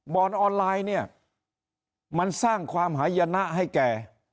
ออนไลน์เนี่ยมันสร้างความหายนะให้แก